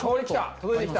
届いてきた。